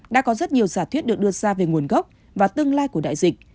đã có rất nhiều giả thuyết được đưa ra về nguồn gốc và tương lai của đại dịch